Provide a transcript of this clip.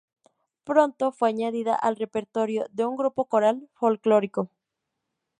Pronto fue añadida al repertorio de un grupo coral folclórico.